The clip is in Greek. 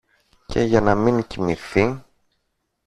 και για να μην κοιμηθεί